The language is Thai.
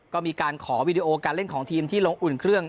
ก็มีการขอวีดีโอการเล่นของทีมที่ลงอุ่นเครื่อง